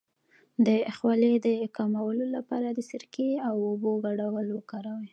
د خولې د کمولو لپاره د سرکې او اوبو ګډول وکاروئ